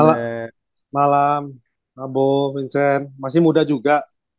selamat malam abu vincer masih muda juga